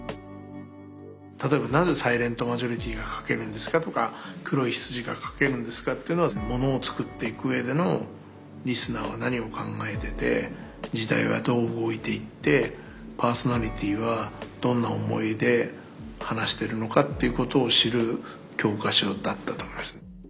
例えばなぜ「サイレントマジョリティー」が書けるんですかとか「黒い羊」が書けるんですかっていうのはものをつくっていくうえでのリスナーは何を考えてて時代はどう動いていってパーソナリティーはどんな思いで話してるのかっていうことを知る教科書だったと思いますね。